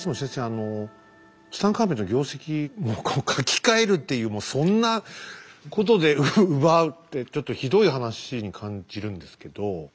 あのツタンカーメンの業績を書き換えるっていうそんなことで奪うってちょっとひどい話に感じるんですけど。